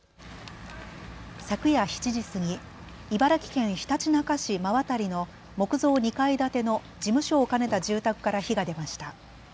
昨夜７時過ぎ、茨城県ひたちなか市馬渡の木造２階建ての事務所を兼ねた住宅から火が出ました。